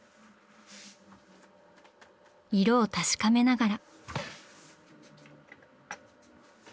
色を確かめながら。